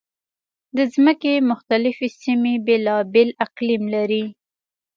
د ځمکې مختلفې سیمې بېلابېل اقلیم لري.